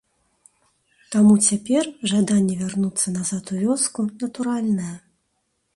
Таму цяпер жаданне вярнуцца назад у вёску натуральнае.